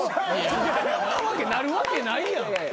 こんなわけなるわけないやん。